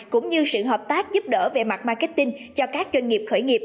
cũng như sự hợp tác giúp đỡ về mặt marketing cho các doanh nghiệp khởi nghiệp